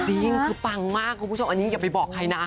จริงคือปังมากคุณผู้ชมอันนี้อย่าไปบอกใครนะ